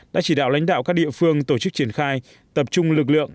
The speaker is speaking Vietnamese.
đã chỉ đạo lãnh đạo các địa phương tổ chức triển khai tập trung lực lượng